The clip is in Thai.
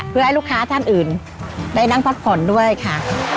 เพื่อให้ลูกค้าท่านอื่นได้นั่งพักผ่อนด้วยค่ะ